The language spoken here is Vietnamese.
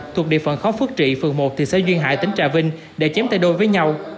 thuộc địa phận khó phước trị phường một thị xã duyên hải tỉnh trà vinh để chém tay đôi với nhau